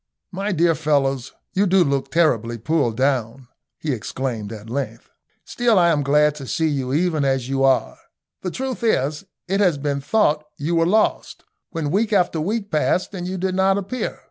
"My dear fellows, you do look terribly pulled down," he exclaimed at length. "Still I am glad to see you even as you are. The truth is that it has been thought you were lost, when week after week passed and you did not appear.